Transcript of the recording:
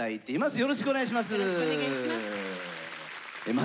よろしくお願いします。